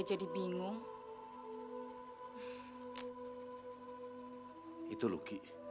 anda tidak mulai mulai putar tap tap